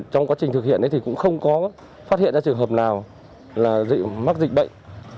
trong quá trình thực hiện thì cũng không có phát hiện ra trường hợp nào mắc dịch bệnh